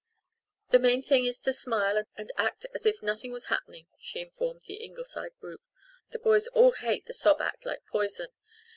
"The main thing is to smile and act as if nothing was happening," she informed the Ingleside group. "The boys all hate the sob act like poison.